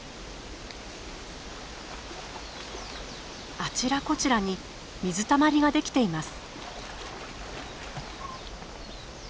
あちらこちらに水たまりができています。